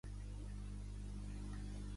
Telefona a la Nerea Lax.